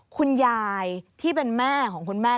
คุณยายที่เป็นแม่ของคุณแม่